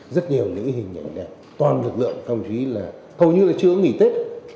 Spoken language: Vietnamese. rất nhiều những hình ảnh đẹp toàn lực lượng công chí là hầu như chưa nghỉ tết